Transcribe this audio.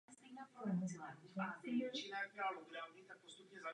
Na vyřešení každé série mají žáci přibližně dva měsíce.